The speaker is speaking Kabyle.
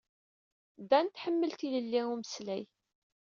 Dan tḥemmel tilelli n umeslay.